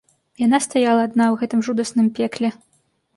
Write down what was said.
Яна стаяла адна ў гэтым жудасным пекле.